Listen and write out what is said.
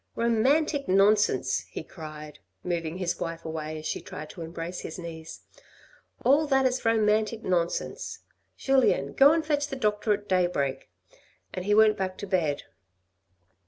" Romantic nonsense," he cried, moving his wife away as she tried to embrace his knees. " All that is romantic nonsense ! Julien, go and fetch the doctor at daybreak," and he went back to bed.